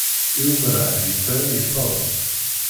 I umrar yettara i feẓ.